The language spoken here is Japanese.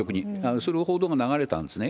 そういう報道が流れたんですね。